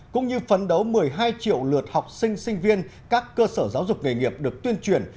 cũng như phấn đấu một mươi hai triệu lượt học sinh sinh viên các cơ sở giáo dục nghề nghiệp được tuyên truyền